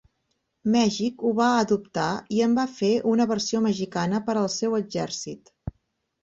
Mèxic ho va adoptar i en va fer una versió mexicana per al seu exèrcit.